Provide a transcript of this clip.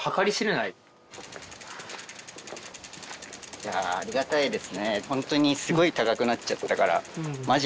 いやありがたいですね。